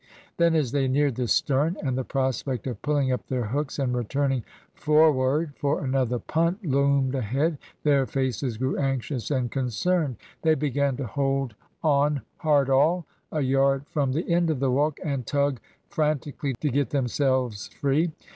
Then, as they neared the stern, and the prospect of pulling up their hooks and returning fora'd for another "punt" loomed ahead, their faces grew anxious and concerned. They began to hold on "hard all," a yard from the end of the walk, and tug frantically to get themselves free.